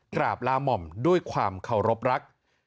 กราบลาหม่อมด้วยความเคารพรัก